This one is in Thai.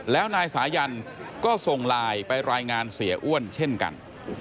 แล้วนายสายันก็ส่งไลน์ไปรายงานเสียอ้วนเช่นกัน